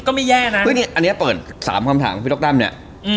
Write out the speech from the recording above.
ก็ไม่แย่นะเฮ้ยอันเนี้ยเปิดสามคำถามพี่ต๊อกตั้มเนี้ยอืม